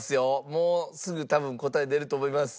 もうすぐ多分答え出ると思います。